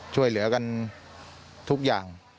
ช่วยเหลือกันทุกอย่าง